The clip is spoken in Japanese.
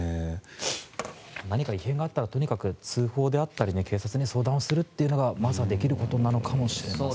何か異変があったらとにかく通報であったり警察に相談するというのがまずはできることなのかもしれません。